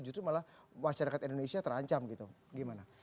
justru malah masyarakat indonesia terancam gitu gimana